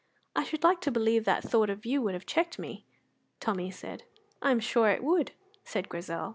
"I should like to believe that thought of you would have checked me," Tommy said. "I am sure it would," said Grizel.